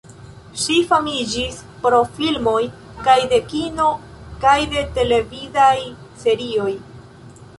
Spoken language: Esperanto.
Ŝi famiĝis pro filmoj kaj de kino kaj de televidaj serioj.